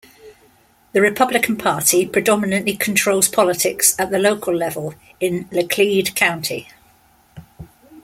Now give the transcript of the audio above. The Republican Party predominantly controls politics at the local level in Laclede County.